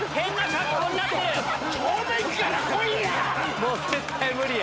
もう絶対無理や。